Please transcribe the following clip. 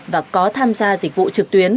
và có tham gia dịch vụ trực tuyến